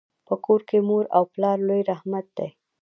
په کور کي مور او پلار لوی رحمت دی.